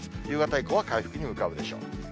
夕方以降は回復に向かうでしょう。